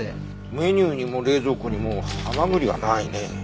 メニューにも冷蔵庫にも蛤はないね。